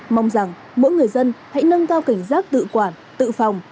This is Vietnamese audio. mong rằng mỗi người dân hãy nâng cao cảnh giác tự quản tự phòng